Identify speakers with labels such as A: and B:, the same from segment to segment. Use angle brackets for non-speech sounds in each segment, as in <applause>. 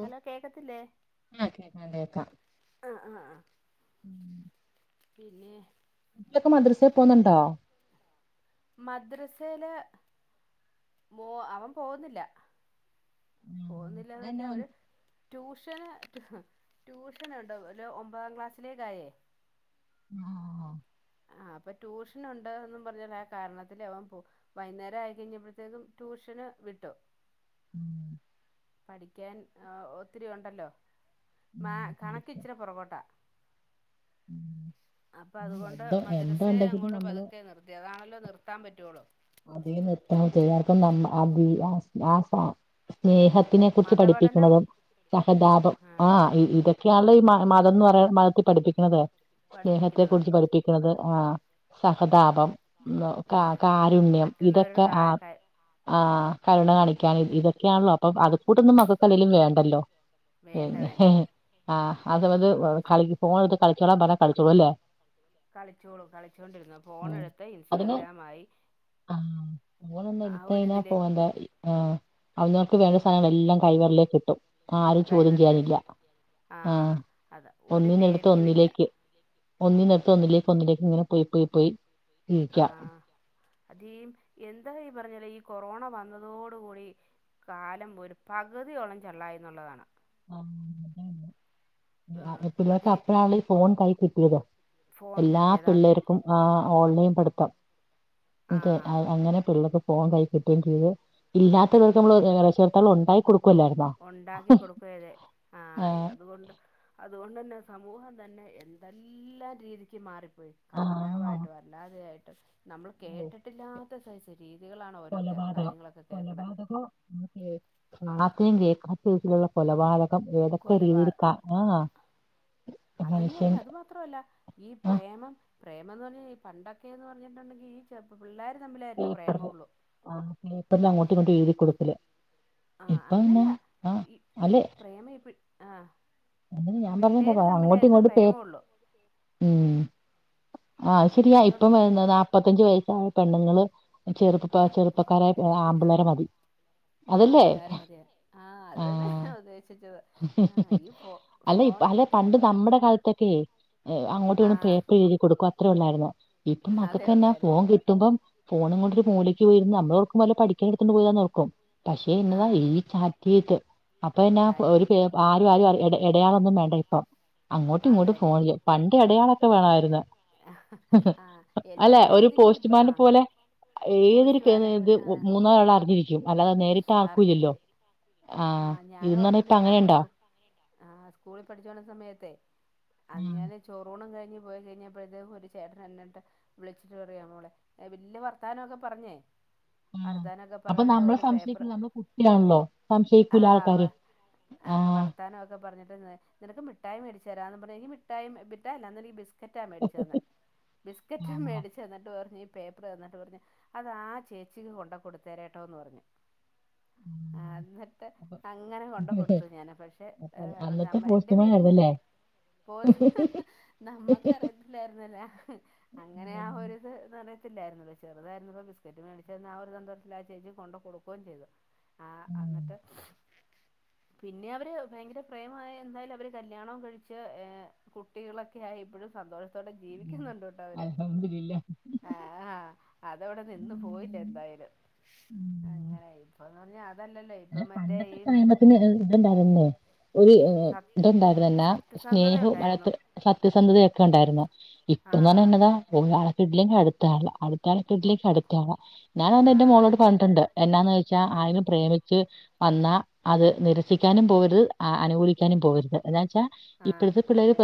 A: Hello കേക്കത്തില്ലേ
B: ആഹ് കേക്കാം കേക്കാം
A: ആഹ് ആഹ് ആഹ് പിന്നെ
B: ഇതിലൊക്കെ മദ്രസയെ പോന്നുണ്ടോ
A: മദ്രസയില് മോ അവൻ പോന്നില്ല.
B: ആഹ്
A: പൊന്നിലെന്ന്
B: അതന്നെ
A: പറഞ്ഞാൽ
B: ഓൻ
A: അവര് ട്യൂഷന് ഹ് ട്യൂഷനുണ്ടോ ഒരു ഒമ്പതാം ക്ലാസ്സിലേക്കയേ
B: ആഹ ആഹ
A: ആഹ് അപ്പൊ ട്യൂഷൻുണ്ട്ന്ന് പറഞ്ഞാ ആ കാരണത്തില് അവൻ പോ വൈകുന്നേരം ആയി കഴിഞ്ഞപ്പോഴത്തേക്കും ട്യൂഷൻ വിട്ടു
B: ഉം <unintelligible>
A: പഠിക്കാൻ ഒത്തിരി ഉണ്ടല്ലോ മാ
B: ഉം
A: കണക്ക
B: പഠിക്കും
A: ഇച്ചിിന പുറകോട്ടാ
B: ഉം
A: അപ്പൊ
B: ആഹ്
A: അതുകൊണ്ട്
B: എന്തോ
A: മദ്രസയെ
B: എന്തുണ്ടെങ്കിലും
A: അങ്ങോട്ട്
B: നമ്മള്
A: പതുക്കെ നിർത്തി അതാണല്ലോ നിർത്താൻ പറ്റുള്ളൂ
B: അതേ നിർത്താൻ <unintelligible> നമ്മ അതില് ആ സ്നേഹ ത്തിനെ കുറിച്ച്
A: മതപഠനം
B: പഠിപ്പിക്ക്ണതും സഹതാപം ആഹ് ഇതൊക്കെയാണല്ലോ ഈ മ മതംന്ന് പറയ് മതത്തിൽ പഠിപ്പിക്ക്ണതേ സ്നേഹത്തെ
A: പഠിപ്പിക്കണത്
B: കുറിച്ച് പഠിപ്പിക്ക്ണത് ആഹ് സഹതാപം മ് കാ
A: ആഹ്
B: കാ രുണ്യം
A: മറ്റുള്ളവരോട്
B: ഇതൊക്കെ
A: കാ
B: ആം
A: ക
B: ആഹ് കരുണ കാണിക്കാന് ഇതൊക്കെയാണല്ലോ അപ്പൊ അത് ഫൂട്ടൊന്നും മക്കക്കല്ലേലും വേണ്ടല്ലോ ഏ
A: വേണ്ട വേണ്ട
B: ഹേ ആഹ് അതവത് അ കളി ഫോണെടുത്ത് കളിച്ചോളാ പറഞ്ഞ കളിച്ചോളു അല്ലേ
A: കളിച്ചോളും കളിച്ചോണ്ടിരുന്നു ഫോണെടുത്താ ഇൻസ്റ്റാഗ്രാമായി
B: അ ഓനൊന്ന്
A: ആ ഒരിതിലേ
B: ഇട്ത്തയ്ഞാപ്പോന്റെ ആ അവനവർക്ക് വേണ്ട സാധനങ്ങള് എല്ലാം കൈവെരലേ കിട്ടും ആരും ചോദ്യം
A: കൈവരല്
B: ചെയ്യാനില്ല ആ
A: ആഹ് അതാ ഒരു
B: ഒന്നിനിട്ത്ത്
A: പേടിയും ഇല്ല
B: ഒന്നിലേക്ക് ഒന്നിനെ ത്തൊന്നിലേക്ക് ഒന്നിലേക്ക് ങ്ങനെ പോയി പോയി പോയി ഇരിക്ക
A: അതേം എന്ത ഈ പറഞ്ഞാല ഈ കൊറോണ വന്നതോടു കൂടി കാലം പോയിട്ട് പകുതിയോളം ചെള്ളായി ന്നുള്ളതാണ്
B: ആ
A: ആഹ് അത്
B: പിള്ളേര്ക്കപ്പഴാണല്ലോ ഈ ഫോൺ കയ് കിട്ട്യേത്
A: ഫോൺ
B: എല്ലാ
A: കിട്ടിയത് അത്
B: പിള്ളേർക്കും ആ ഓൺലൈൻ ട്ത്തം
A: ആഹ്
B: അങ്ങനെ പിള്ളേക്ക് ഫോൺ കൈ കിട്ടേ ചെയ്ത് ഇല്ലാത്ത <unintelligible> നമ്മള് <unintelligible> ഉണ്ടായി കൊടുക്കുവല്ലായിരുന്നോ
A: പ്പഴേ ആ
B: ആഹ്
A: അത് കൊണ്ട് അതോണ്ടെന്നെ സമൂഹം തന്നെ എന്തെല്ലാം രീതിക്ക് മാറിപ്പോയി
B: ആഹ്
A: കഞ്ചാവായിട്ടും അല്ലാതെയായി ട്ട് നമ്മള് കേട്ടിട്ടില്ലാത്ത സെയ്സ് രീതികളാണ് ഓരോ കാര്യങ്ങളൊക്കെ കേക്കണെ
B: <unintelligible> ആ സെയ്സില്ള്ള കൊലപാത കം ഏതൊക്കെ
A: കൊലപാ
B: രീതിയില് കാണാ
A: അതെന്ന് പറഞ്ഞ അത് മാത്രല്ല ഈ
B: ആഹ്
A: പ്രേമം പ്രേമം ന്ന് പറഞ്ഞാ ഈ പണ്ടൊക്കെന്ന് പറഞ്ഞിട്ടുണ്ടെി ഈ ച പിള്ളേര്
B: പേപ്പറില് ആ പേപ്പറില് അങ്ങോട്ടും ഇങ്ങോട്ടും എഴുതി കൊടുക്കല്
A: ആ
B: ഇപ്പൊ പിന്നെ
A: അങ്ങനെയല്ല
B: ആഹ്
A: ഈ ഈ പ്രേമെ ഈ പി ആ
B: അതെന്നെ ഞാൻ
A: പിള്ളേർ
B: പറഞ്ഞെന്താ അങ്ങോട്ട്
A: തമ്മിലായിരുന്നു
B: ഇങ്ങോട്ട് പേ
A: പ്രേമമുള്ളൂ
B: ഉം ആ അത് ശെരിയാ
A: ഇപ്പോഴെന്ന്
B: ഇപ്പം
A: പറഞ്ഞ
B: വ നാപ്പത്തഞ്ച് വയസ്സായ പെണ്ണുങ്ങള് ചെറുപ്പ ചെറുപ്പക്കാരായ ഏ ആമ്പിള്ളേരെ മതി
A: ആ
B: അതല്ലേ
A: പിള്ളേരെ മതി ആ അത് തന്നെ
B: ആഹ്
A: ഉദ്ദേശിച്ച
B: അല്ല ഇ അല്ല പണ്ട്
A: കിട്ടിയതോടെ
B: നമ്മടെ കാലത്തൊക്കെ അങ്ങോട്ടും ഇങ്ങോട്ടും
A: ആഹ്
B: പേപ്പറെഴുതി കൊടുക്കും അത്രേ ഉള്ളായിരുന്നു ഇപ്പ
A: അതേ
B: മക്കക്ക്ന്നെ
A: ഒള്ളായിരുന്നു
B: ഫോൺ കിട്ടുമ്പം ഫോണുകൊണ്ട്ര് മൂലേക്ക് പോയിരുന്ന് അമ്മളോക്കുംമ്പല്ല പഠിക്കൻ എടുത്ണ്ട് പോയതാ നർക്കു പക്ഷേ ഇന്നതാ
A: ആഹ്
B: ഈ ചാറ്റിയിട്ട് അപ്പ
A: ചാറ്റ്
B: ഒരു
A: ചെയ്യും
B: പേപ് ആരും ആരും ആര് എടെ എടയാളൊന്നും വേണ്ട ഇപ്പൊ. അങ്ങോട്ടും
A: അത്
B: ഇങ്ങോട്ടും
A: തന്നെ
B: ഫോണില് പണ്ട് എടയാള ത്തു വേണായിരുന്നു.
A: ആഹ്
B: അല്ലെ
A: എല്ലാ
B: ഒരു
A: രീതിക്കും ഇപ്പ
B: പോസ്റ്റ്മാന്
A: ആഹ്
B: പോലെ ഏതൊരു
A: പോസ്റ്റ് വാനപ്പൻ
B: <unintelligible> ഒ
A: ആഹ്
B: മൂന്നാരാള് അറിഞ്ഞിരിക്കും. അല്ലാതെ നേരിട്ട് ആർക്കൂയ്യല്ലോ
A: അറിഞ്ഞെനിക്ക്
B: ആഹ് ഇന്നണെ
A: ണ് ഞാൻ കൊസ്‌കു ആഹ് സ്‌കൂളി പട്ചോണ്ടി സമയത്ത്
B: ഉം
A: അൻങ്ങ്യാൽ ചോറുണും കഴി ഞ് പോയി കയിഞ്ഞ പ്പഴതെ ഒരു ചേട്ടൻ എന്നിട്ട് വിളിച്ചിട്ട് പറയാ മോളെ എ വെല്ല് വർത്താനോക്കെ പറഞ്ഞേ
B: ആഹ്
A: വർത്താനൊക്കെ
B: അപ്പൊ
A: പറഞ്ഞിട്ട്
B: നമ്മളെ
A: ഒരു പേപ്പർ
B: സംശയിക്ക നമ്മുടെ കുട്ടിയാണല്ലോ. സം
A: ആഹ് ആഹ് വർത്താനോക്കെ പർഞ്ഞിട്ട് നി നിനക്ക് മിഠായി മേടിച് ച്ചരാന്ന് പർഇ ഞ്ഞ് മിട്ടായിം ബ്തെ അല്ല അന്നേരീ ബിസ് സ്ക്കറ്റാ മേടിച്ചു തന്നെ.
B: ആ,
A: ബിസ്ക്കറ്റ് മേടിച്ച്ന്നിട്ട് പർഞ്ഞീ പേപ്പറ് തന്നിട്ട് പറഞ് അത് ആഹ് ചേച്ചിക്ക് കൊണ്ട് കൊടുത്തരേട്ടോന്ന് പറഞ്ഞു. ആഹ
B: ഉം.
A: അത
B: അപ്പൊ
A: അങ്ങനെ കൊണ്ട കൊടുത്തു ഞാൻ പക്ഷെ
B: അപ്പൊ അന്ന് അന്നത്തെ
A: നമ്മ എന്റെ വീടിന്റെ
B: പോസ്റ്റ്മാനായിരുന്നല്ലേ
A: നമ്മക്കറിയത്തില്ലായിരുന്നല്ലേ അങ്ങനെ ആ
B: ഉം.
A: ഒരുഇത് ത്തില്ലായിരുന്നു. ചെറുതായിരുന്നു ഇപ്പ ബിസ്ക്കറ്റ് മേടിച്ച ആ ഒരു സന്തോഷത്തിൽ ആ ചേച്ചിക്ക് കൊണ്ട് കൊടുക്കുകയും ചെയ്തു. ആഹ്
B: ഉം.
A: എന്നിട്ട് പിന്നെ അവര് ഭയങ്കര പ്രേമായ എന്തായാലും അവര് കല്യാണവും കഴിച്ച് ഏ കുട്ടികളൊക്കെ ആയി ഇപ്പോഴും സന്തോഷത്തോടെ
B: ഉം.
A: ജീവിക്കുന്നുണ്ട് ട്ടോ അവര്
B: അൽഹംദുലില്ലാ
A: ആ അതവിടെ നിന്ന് പോയില്ല
B: ഉം.
A: എന്തായാലും
B: ഉം.
A: അങ്ങനെ ഇപ്പൊന്ന് പറഞ്ഞാൽ അതല്ലല്ലോ ഇപ്പൊ മറ്റേ
B: ഇന്നത്തെ
A: ഈ
B: പ്രേമത്തിന് ഇത്ണ്ടായിരുന്നേ ഒരു
A: സ
B: ഇത്ണ്ടായിരുന്നന്നെ
A: സത്യസന്ധത
B: സ്നേഹവും
A: ഉണ്ടായിരുന്നു
B: വഴക്ക് അ സത്യസന്ധതയൊക്കെ ഉണ്ടായിരുന്നു ഇപ്പൊന്ന്
A: ആഹ്
B: പറഞ്ഞന്നതാ പോയആളെകിട്ടിയില്ലെങ്കിൽ അടുത്തആളെ
A: ഓ
B: തലക്കെട്ടിലേക്ക് അടുത്താണ് ഞാൻ വ എന്റെ
A: ആഹ്
B: മോളോട് പറഞ്ഞിട്ടുണ്ട് എന്നാന്ന് വെച്ചാ
A: ആഹ്
B: ആരെയും പ്രേമിച്ച് വന്നാ അത് നിരസിക്കാനും പോകരുത്. അനുകൂലിക്കാനും പോകരുത്
A: ആഹ്
B: ഇപ്പോഴത്തെ പിള്ളേര്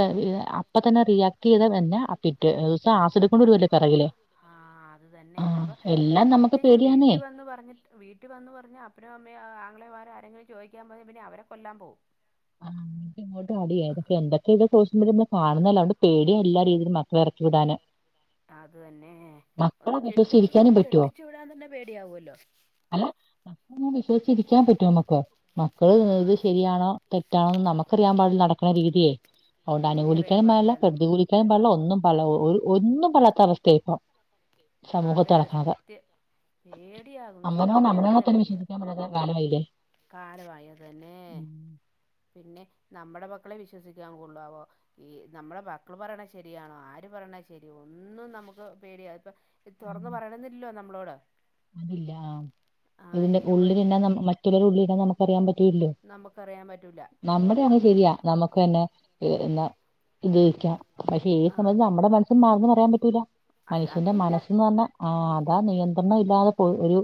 B: അപ്പ തന്നെ റിയാക്ട് ചെയ്ത എന്നന്നെ പിറ്റ് ദിവസം ആസിഡ് കൊണ്ട് വരുവല്ലേ പിറകില്
A: ആഹ് അത് തന്നെ
B: ആ
A: ഇതിപ്പ
B: എല്ലാം നമുക്ക്
A: വീട്ടിൽ
B: പേടിയാന്നേ
A: വീട്ടിൽ വന്ന് പറഞ്ഞിട്ട് വീട്ടിൽ വന്ന് പറഞ്ഞ അപ്പനും അമ്മയും ആങ്ങളമാർ ആരെങ്കിലും ചോദിക്കാൻ പോയാ അവരെ കൊല്ലാൻ പോകും
B: ആ, കാണുന്നല്ലതൊണ്ട് പേടിയ എല്ലാ രീതിയിലും മക്കള ഇറക്കി വിടാന്
A: അത് തന്നെ
B: മക്കളെ
A: ഒന്ന് കെട്ടിച്ചു
B: വിശ്വസിച്ചിരിക്കാനും പറ്റുമോ?
A: കെട്ടിച്ചു വിടാൻ തന്നെ പേടിയാവൂല്ലോ
B: അല്ല വിശ്വിച്ചിരിക്കാൻ പറ്റുമ മക്ക് മക്കള്
A: ആ
B: ഇത് ശരിയാണോ തെറ്റാണോെന്ന് നമുക്കറിയാൻ പാടില്ല നടക്കുന്ന രീതിയെ അതൊണ്ട്
A: രീതി അറിയാൻ
B: അനുകൂലിക്കാനും പാടില്ല
A: നം
B: പ്രതികൂലിക്കാനും പാടില്ല ഒന്നും പല ഒന്നും പറയാത്ത അവസ്ഥ ഇപ്പം
A: ആ അതെ
B: സമൂഹത്ത്
A: അതെ
B: നടക്കണത്.
A: സത്യം പേടിയാകും
B: അമ്മനോ
A: ജീവിക്കാൻ
B: അമ്മനോണോ തന്നെ വിശ്വസിക്കാനോ പറ്റാത്ത കാലായിലെ
A: കാലമായതു തന്നെ പിന്നെ നമ്മുടെ മക്കളെ വിശ്വസിക്കാൻ കൊള്ളാവോ ഈ നമ്മുടെ മക്കള് പറയണ ശരിയാണോ ആര് പറയാണ്താ ശരി ഒന്നും നമുക്ക് പേടിയ ഇപ്പൊ
B: ആ,
A: തുറന്ന് പറയണുന്നില്ലോ നമ്മളോട്
B: അതില്ല ആ
A: ആ
B: അതിന്റെ
A: ഇങ്ങനെ
B: ഉള്ളിൽ
A: പോയി
B: തന്ന മറ്റുള്ളരു ഉള്ളില നമുക്ക്റിയാൻ പറ്റു പറ്റല്ല
A: നമുക്കറിയാൻ പറ്റൂല
B: നമ്മുടെ അങ്
A: അങ്ങനെ
B: ശരിയാ നമുക്ക്ന്നെ എന്നാ ഇത്ക്കാം പക്ഷെ ഈ
A: ആ
B: സമയത്ത് നമ്മുടെ മനസ്സിന് മാറന്ന് പറയാൻ പറ്റൂല മനുഷ്യന്റെ
A: അതും ഇല്ല
B: മനസ്സന്ന് പറഞ്ഞാ ആ അതാ നിയന്ത്രണ ഇല്ലാതെ പോ ഒരു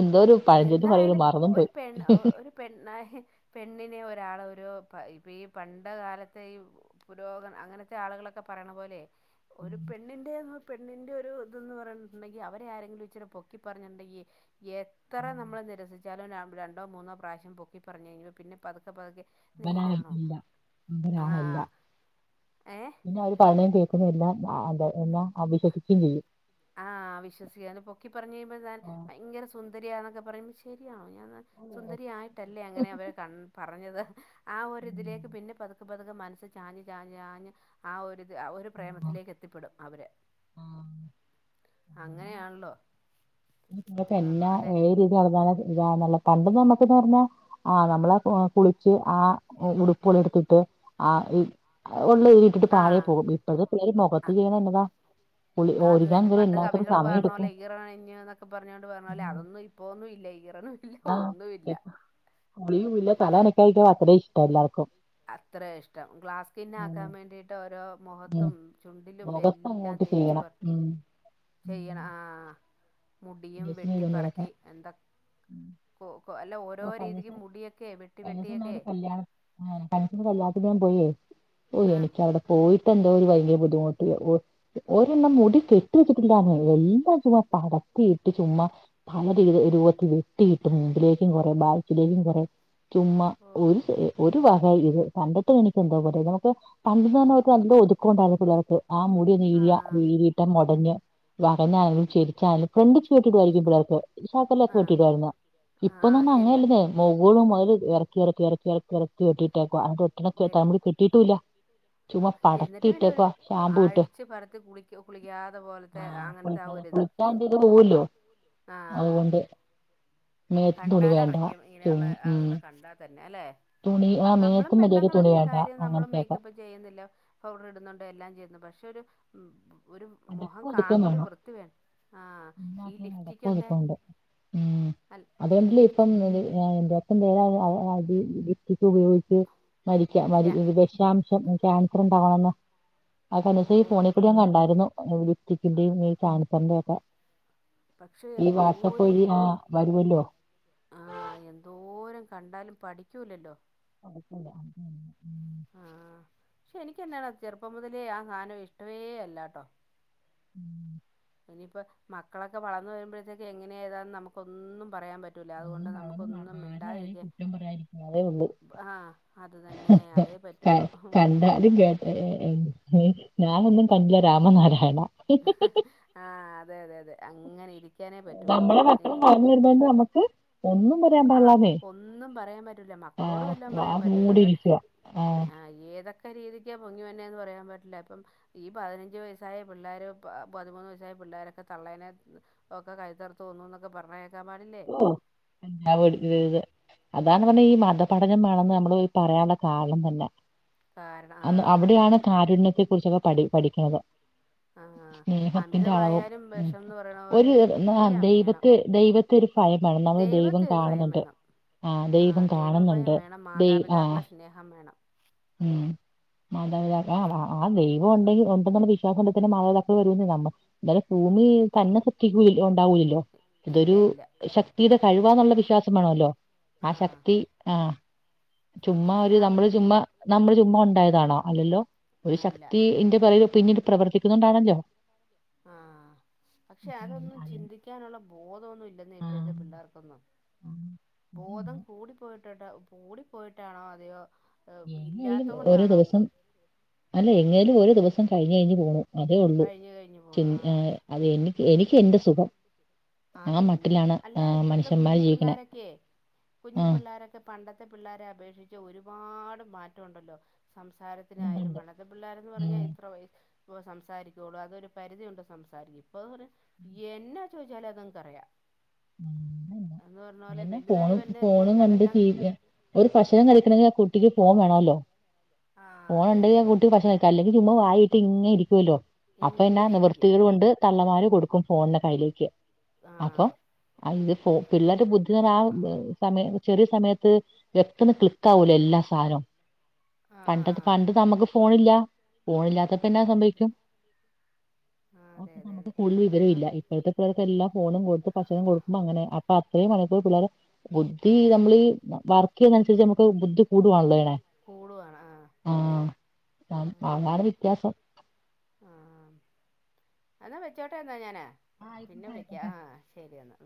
B: എന്തോ ഒരു പഴഞ്ചൊല്ല് പറയൂലേ
A: എന്തായാലും
B: മറന്നും
A: ഒരു
B: പോയി
A: പെ ഒരു പെണ്ണായി പെണ്ണിനെ ഒരാള ഒരു ഇപ്പോം ഈ പണ്ട കാലത്തെ ഈ പുരോഗ അങ്ങനത്തെ ആളുകളൊക്കെ പറയണ പോലെ ഒരു പെണ്ണിന്റെ പെണ്ണിന്റെ ഒരു ഇതന്ന് പറഞ്ഞിട്ടുണ്ടെങ്കി അവരെ ആരെങ്കിലും ഇച്ചിരി പൊക്കി പറഞ്ഞിട്ടണ്ടെങ്കിൽ എ ഇത്ര നമ്മൾ നിരസിച്ചാലും രണ്ടോമൂന്നോ പ്രാവശ്യം പൊക്കി പറഞ്ഞു കഴിഞ്ഞ്പോൾ പിന്നെ പതുക്കെ പതുക്കെ
B: അവനാണ്
A: നേരാണോ
B: എല്ലാം
A: ആ
B: അവനാണ് എല്ലാം
A: ഏ
B: പിന്നെ അവര് പറയുന്നത് കേൾക്കുന്ന എല്ലാം എല്ലാംഅവിശോസിക്കും ചെയ്യും
A: ആഹ് വിശ്വസിക്കുക അ പൊക്കി പറഞ്ഞ കഴിയ്പോൻ
B: ആ,
A: ഭയങ്കര സുന്ദരിയാ എന്നൊക്കെ പറയുമ്പോ ശരിയാ ഞാൻ സുന്ദരിയായിട്ടല്ലേ അങ്ങനെ അവരെ ഒക്കെ അങ്ങിനെ പറഞ്ഞത് ആ
B: ഉം,
A: ഒരിതിലേക്ക് പിന്നെ പതുക്കെ പതുക്കെ മനസ്സ് ചാഞ് ചാഞ് ചാഞ് ആ ഒരു ഒരു പ്രേമത്തിലേക്ക് എത്തിപ്പെടും അവര്
B: ആ, അങ്ങനെ.
A: അങ്ങനെയാണല്ലോ എന്ന് പറഞ്ഞ
B: എന്നാ
A: പോലെ
B: ഏത് രീതിനടന്നാല ഇതാ നല്ലെ പണ്ട് നമ്മുക്ന്ന് പറഞ്ഞാ ആ നമ്മള അ കുളിച്ച് ആ ഉടുപ്പളിടുത്തിട്ട് ആ ഉള്ള ഇട്ടിട്ട് പാഴെ
A: ആഹ്
B: പോകും ഇപ്പഴത്തെ പേര് മുഖത്ത് ചെയ്യുന്നത് എന്നതാ കുളി
A: അത്
B: ഒരുങ്ങാൻ
A: തന്നെ
B: ഇവര്
A: പണ്ട്
B: എല്ലാത്തിനും
A: കവികള്
B: സമയം എടുക്കും
A: പറഞ്ഞപോലെ ഈറനണിഞ്ഞ് നോ ക്കെ പറഞ്ഞുകോണ്ട് പറഞ്ഞാപോലെ അതൊന്നും ഇപ്പോന്നുല്ല ഈറനും ഇല്ല
B: ആഹ
A: ഒന്നുമില്ല
B: കുളിയുംല്ല
A: ഏ,
B: തലനനക്കായിട്ടോ അത്രയും ഇഷ്ടല്ലാർക്കും
A: അത്ര ഇഷ്ടം ഗ്ലാസ്കിന്നക്കാൻ വേണ്ടിട്ട് ഓരോ മുഖത്തും ചുണ്ടിലും
B: മുഖത്ത്
A: എല്ലാം
B: അങ്ങോട്ട്
A: തേച്ച്
B: ചെയ്യണം
A: പർ
B: ഉം
A: ചെയ്യണം ആഹ മുടിയും
B: ലേശം
A: വെട്ടി
B: ചെയ്തോണ്ട്
A: പറക്കി
B: നടക്കണം
A: എന്താ കൊ കൊ അല്ല ഓരോ
B: <inaudible>
A: രീതിക്ക് മുടിയൊക്കെ വെട്ടി വെട്ടിയൊക്കെ
B: കല്യാണ കല്യാണത്തിൻ ഞാൻ പോയേ ഓ
A: ആ
B: എനിക്ക് അവിടെ പോയി ന്തൊരു ഭയങ്കര ബുദ്ധിമുട്ട് ഒ ഒരെണ്ണം മുടി കെട്ടിവച്ചിട്ടില്ല നെ എല്ലാം ചുമ്മ പട ത്തിയിട്ട് ചുമ്മ പല രീ രൂപത്തി വെത്തിയിട്ട് മുമ്പിലേ ലേക്ക് കുറെ ബാക്കിലേക്കും കുറെ ചുമ്മാ
A: ഓ
B: ഒരു സെ എ ഒരു ഒരു വക ഇത് കണ്ടിട്ട് എനിക്ക് എന്തൊപോലെ നമുക്ക് പണ്ടന്ന് പറഞ്ഞാൽ ഒരു നല്ല ഒതുക്കൊണ്ടായിരുന്നു പിള്ളേർക്ക് ആ മുടി
A: ആ
B: നീരിയ നീരിയിട്ട മോടഞ്ഞ് വകന് അണിയിച്ചൊരുക്കി <unintelligible> പിള്ളേര്ക്ക് ശകലൊക്കെ
A: ആ
B: വെട്ടിടുആയിരു
A: ആ ആ
B: ഇപ്പന്ന് പറഞ്ഞാ
A: ശരിയാ
B: അങ്ങനെയല്ലേ മുകളും മുതൽ ഇറക്കി ഇറക്കി ഇറക്കി ഇറക്കി ഇറക്കി വെട്ടിയിട്ടെ ക്കുവാ
A: വെ
B: <unintelligible> കെട്ടിയിട്ടൂല്ല
A: ആ എന്നിട്ട് പിന്നെ ഒരു
B: ഇട്ട്
A: അടിച്ച് പറത്തി കുളിക്കു കുളിക്കാതെ പോലത്തെ അങ്ങനത്തെ ആ ഒ
B: കുളിക്കാണ്ടിത് പോവുഅല്ലോ
A: ആ
B: അതുകൊണ്ട് മേത്തും തുണി വേണ്ട
A: കണ്ടാലറയ്ക്കും
B: ചും
A: ഇങ്ങനെയുള്ള
B: ഉം
A: ആളുകളെ കണ്ടാൽ തന്നെ അല്ലെ
B: തുണി ആ
A: നമ്മളും
B: മേത്തും മര്യാദക്ക് തുണി
A: പെണ്ണങ്ങളൊക്കെയാ
B: വേണ്ട
A: കാര്യം നമ്മളും
B: അങ്ങനത്തെയൊക്കെ
A: മേക്കപ്പ് ചെയ്യുന്നില്ല പൗഡർ ഇടുന്നുണ്ട് എല്ലാം ചെയ്യുന്നു പക്ഷെ ക്ഷോരു ഒരു മുഖം
B: അടക്കം ഒതുക്കോം
A: കാണുമ്പോ ഒരു
B: വേണം
A: വൃത്തി വേ ആ ഈ
B: എല്ലാത്തിനും അടക്കോം
A: ലിഫ്റ്റിക്കൊക്കെ
B: ഒതുക്കോം ഉണ്ട് ഉം
A: അൽ ഈ
B: അതുകൊണ്ടിലിപ്പം
A: ലിഫ്റ്റ്
B: <unintelligible> അടി ഇടി പി ഉപയോഗിച്ച് മരിക്ക മരി
A: ക്യാ
B: വിഷാം ക്യാൻസർ ഉണ്ടാവുന്നെ
A: ഓ
B: അതനുസരി ഈ ഫോണി കൂടി ഞാകണ്ടായിരുന്നു
A: ആ
B: ലിപ്സ്റ്റിക്കിന്റെയും ഈ ക്യാൻസറിന്റെ ഒക്കെ
A: പക്ഷെ
B: ഈ വാട്സപ്പ്
A: എന്തോരം
B: വഴി ആ വരുവല്ലോ
A: ആഹ എന്തോരം കണ്ടാലും പഠിക്കൂല്ലല്ലോ
B: പഠിക്കുല
A: ആഹ പക്ഷെ എനക്ക്ന്നാണ് ചെറുപ്പം മുതലേ ആ സാധനം ഇഷ്ടവേ അല്ലട്ടോ
B: ഉം
A: ഇനിയിപ്പോ മക്കളൊക്കെ വളർന്ന് വരുമ്പോഴത്തേക്ക് എങ്ങനെയെതാന്ന് നമുക്കൊന്നും പറയാൻ പറ്റൂല അതുകൊണ്ട്
B: ഒന്നും അവന് മ-
A: നമുക്കൊന്നും
B: ആരെയും ആരെയും
A: മിണ്ടാതിരിക്ക
B: കുറ്റം പറയാതിരിക്കുക അതേ ഉള്ളൂ
A: ആ അത് തന്നെ അതേ പറ്റുള്ളൂ
B: കണ്ടാലും കേട്ട ഏ ഞാനൊന്നും കണ്ടില്ല രാമനാരായണ
A: ആ അതെ അതെ അതെ അങ്ങനെ ഇരി
B: നമ്മളെ മക്കളും വളർന്ന് വരുനോണ്ട് നമുക്ക് ഒന്നും പ
A: ആഹ ഒന്നും പറയാൻ പറ്റൂല
B: ആ
A: മക്കളോട് വല്ലം
B: വാ
A: പറയാൻ പറ്റോ ഇതൊക്കെ
B: മൂടിയിരിക്കുക
A: ആ ഏ ഏതക്കെ രീതിക്ക പൊങ്ങി വന്നെന്ന് പറയാൻ പറ്റില്ല ഇപ്പം ഈ പതിനഞ്ചു വയസായ പിള്ളോര പതിമൂന്ന് പിള്ളോരൊക്കെ തളെനെ ഒക്കെ കൈതർത്തു കൊന്നുന്നൊക്കെ പറഞ്ഞകെക്കാൻ പാടില്ലേ
B: ഓ
A: ഉം
B: <inaudible> അതാണ് പറഞ്ഞെ ഈ മതപഠനം വണെന്ന് നമ്മള് ഈ പറയാനുള്ള കാരണം തന്നെ
A: കാരണം
B: അന്ന്
A: ആ
B: അവിടെയാണ് കാരുണ്യത്തെ കുറിച്ചൊക്കെ പഠി പഠിക്കുന്നത്
A: ആഹ്
B: സ്നേഹത്തിന്റെ അളവും
A: അമിതമായാലും
B: ഉ
A: വിഷംന്ന് പറയണ പോലെ
B: ഒരു ഒര് നാ
A: എല്ലാം വേണം
B: ദൈവത്തെ ദൈവ ഒരു ഭയമാണ് നമ്മളെ ദൈവം
A: ദൈവത്തെ ഒരു ഭയം
B: കാണുന്നുണ്ട്
A: വേണം
B: ആഹ ദൈവം
A: ആഹ് ദൈവഭയം
B: കാണുന്നുണ്ട്!
A: വേണം
B: ദൈവ ആഹ്
A: മാതാപിതാക്കളെ സ്നേഹം വേണം
B: ഉം ഉണ്ടെങ്കി ഉണ്ടെന്നുള്ള വിശ്വാസം ഉണ്ട് തന്നെ മാതാപിതാക്കൾ വരുമെന്നു കാണണം എന്നാലും ഭൂമിന്ഷ്ടിക്ക ഉണ്ടാവൂില്ലല്ലോ
A: ഇല്ല
B: ഇതൊരു
A: ഇല്ല
B: ശക്തിയുടെ കഴിവാന്നുള്ള വിശ്വാസം വേണല്ലോ. ആ
A: ആഹ്
B: ശക്തി ആഹ മ ചുമ്മാ
A: അങ്ങനെ
B: ഒരു
A: ആ
B: നമ്മള്
A: വി
B: ചുമ്മാ നമ്മള് ചുമ്മാ ഉണ്ടായതാണോ? അല്ലല്ലോ! ഒരു
A: അല്ല
B: ശക്തി എന്റെ പുറകെപിന്നീൽ പ്രവർത്തിക്കുന്നതുണ്ടാണല്ലോ!
A: ആഹ് പക്ഷെ അതൊന്നും
B: അതി
A: ചിന്തിക്കാനുള്ള ബോധമൊന്നും ഇല്ലെന്ന
B: ആഹ്
A: ഇപ്പോഴത്തെ പിള്ളേർക്കൊന്നും.
B: ആഹ്
A: ബോധം കൂടി പോയിട്ടോട്ട കൂടി പോയിട്ടാണോ അതോ?
B: എങ്ങെല്ലും ഓരോ ദിവസം അല്ല എങ്ങേലും ഓരോ ദിവസം കഴിഞ് കഴിഞ്ഞ് പോണു. അതേ ഉള്ളൂ.
A: കഴിഞ്ഞ് കഴിഞ്ഞ് പോണു
B: ചെൻ
A: ആഹ്
B: ഏഹ് അത് എനിക്ക് എനിക്ക് എന്റെറ സുഖം. ആ
A: അത് തന്നെ.
B: മട്ടിലാണ് ആ,
A: അല്ല ഇപ്പഴത്തെ
B: മനുഷ്യന്മാര്
A: കുഞ്ഞി
B: ജീവിക്കണേ
A: പിള്ളോരൊക്കെ
B: ആ
A: കുഞ്ഞി പിള്ളോരൊക്കെ പണ്ടത്തെ പിള്ളോരെ അപേക്ഷിച്ച് ഒരുപാട് മാറ്റവുണ്ടല്ലോ സംസാരത്തിനായാലും
B: ഉണ്ട്ണ്ട്
A: പണ്ടത്തെ പിള്ളോരന്ന് പറഞ്ഞാ
B: ഉം
A: എത്ര വയെ വ സം സാരിക്കുള്ളൂ അതൊരു പരിധിയുണ്ട് സംസാരിക്കും. ഇപ്പൊർഞാ എന്നാ ചോയ്ച്ചാലും അത്ൻക്കറിയാ
B: അങ്ങന്നെ
A: വലുതായി
B: ഫോണും
A: വരുന്ന
B: ഫോണും
A: അനുസരിച്ച്
B: കണ്ട്
A: അതെല്ലാം
B: ടീവി ഒരു ഭക്ഷണം കഴിക്കണമെങ്കിൽ ആ കുട്ടിക്ക് ഫോൺ വേണമല്ലോ
A: ആ അതെ അതെ
B: ഫോണൊണ്ടെങ്കിൽ ആ
A: അതെ
B: കുട്ടി ഭക്ഷണം കഴിക്കും. അല്ലെങ്കിൽ ചുമ്മാ വായിട്ട് ഇങ്ങെ ഇരിക്കുവല്ലോ അപ്പൊ എന്നാ
A: ഇങ്ങനെ ഇരിക്കും
B: നിവൃത്തികേട് കൊണ്ട് തള്ളമാര് കൊടുക്കും ഫോണിന്റെ കയ്യിലേക്ക്
A: ആ
B: അപ്പൊ ഇത് പിള്ളേരു ബുദ്ധി ആ സമയ ചെറിയ സമയത്ത് വ്യക്തന്ന് ക്ലിക്ക് ആവൂലോ എല്ലാ സാദനവും.
A: ആ ആ
B: പണ്ട
A: ആ
B: പണ്ട് നമുക്ക് ഫോണില്ല ഫോണില്ലാത്ത ഇപ്പഎന്നാ
A: അതെ
B: സംഭവിക്കും
A: ആ അതെ
B: അപ്പൊ
A: അതെ
B: നമുക്ക്
A: അതെ ആ
B: കൂടുതൽ വിവരമില്ല. ഇപ്പോഴത്തെ പിള്ളേർക്കെല്ലാം ഫോണും കൊടുത്ത് ഭക്ഷണവും കൊടുക്കുമ്പോ
A: ആ
B: അങ്ങനെ അപ്പൊ അത്രേ മണിക്കൂർ പിള്ളേർ ബുദ്ധി നമ്മളീ വർ വർക്ക് ചെയ്യന്നനുസരിച്ച് നമുക്ക് ബുദ്ധി കൂടുവാണല്ലോ ചെയ്യണേ
A: കൂടുവാണ് ആ
B: ആഹ് ആ അതാണ് വ്യത്യാസം
A: ആഹ് ആഹ് എന്നാ വെച്ചോട്ടെ എന്നാ ഞാന്
B: ആ
A: പിന്നെ
B: ആയിക്കോട്ടെ ആയിക്കോട്ടെ
A: വിളിക്കാ ആഹ് ശെരി എന്നാ.